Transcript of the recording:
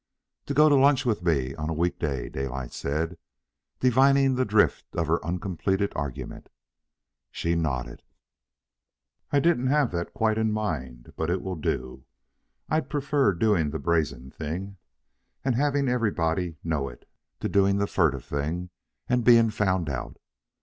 "To go to lunch with me on a week day," Daylight said, divining the drift of her uncompleted argument. She nodded. "I didn't have that quite in mind, but it will do. I'd prefer doing the brazen thing and having everybody know it, to doing the furtive thing and being found out.